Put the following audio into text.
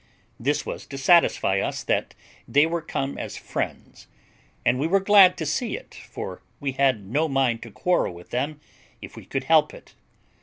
This was to satisfy us that they were come as friends, and we were glad to see it, for we had no mind to quarrel with them if we could help it.